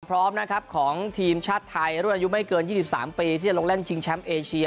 พร้อมนะครับของทีมชาติไทยรุ่นอายุไม่เกิน๒๓ปีที่จะลงเล่นชิงแชมป์เอเชีย